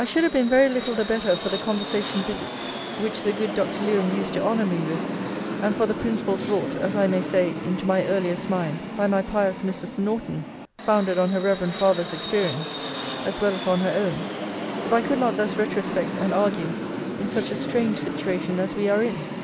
I should have been very little the better for the conversation visits with the good Dr. Lewen used to honour me with, and for the principles wrought (as I may say) into my earliest mind by my pious Mrs. Norton, founded on her reverend father's experience, as well as on her own, if I could not thus retrospect and argue, in such a strange situation as we are in.